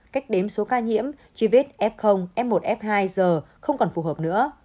cách đếm số ca nhiễm chi vết f f một f hai g không còn phù hợp nữa